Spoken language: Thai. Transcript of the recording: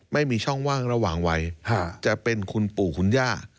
ไม่มีช่องว่างระหว่างวัยจะเป็นคุณปู่คุณย่า